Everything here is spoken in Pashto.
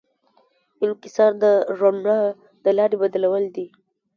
انکسار د رڼا د لارې بدلول دي.